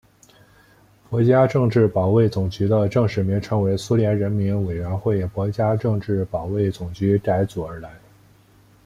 国家政治保卫总局的正式名称为苏联人民委员会国家政治保卫总局改组而来。